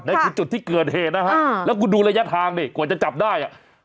ในทุกจุดที่เกิดเหตุนะฮะอ่าแล้วกูดูระยะทางนี่กว่าจะจับได้อ่ะ